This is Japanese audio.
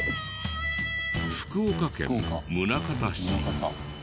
福岡県宗像市。